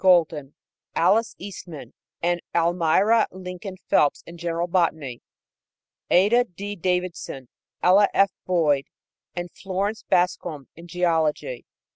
Golden, Alice Eastman and Almira Lincoln Phelps in general botany; Ada D. Davidson, Ella F. Boyd and Florence Bascom in geology.